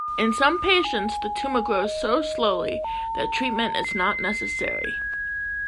In some patients, the tumor grows so slowly that treatment is not necessary.